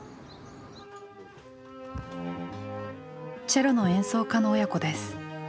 チェロの演奏家の親子です。